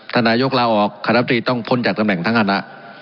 ถ้านายกฎีลาออกคณะรัฐธรรมตรีต้องพ้นจากตำแหน่งทั้งอาณะ